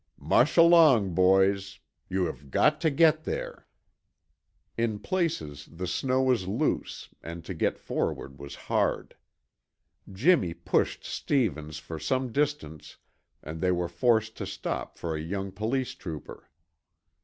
"Mush along, boys. You have got to get there!" In places the snow was loose and to get forward was hard. Jimmy pushed Stevens for some distance and they were forced to stop for a young police trooper.